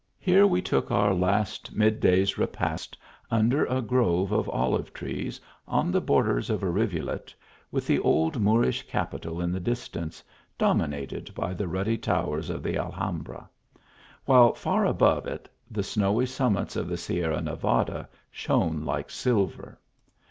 Here we took our last mid day s repast under a grove of olive trees, on the borders of a rivulet, with the old Moorish capiteil in the distance, dominated by the ruddy towers of the Alhambra, while far above it the snowy sum mits of the Sierra Nevada shone like silver.